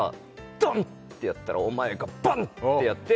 「ドンってやったらお前がバンってやって」